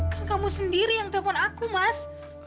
kan kamu sendiri yang telpon aku mas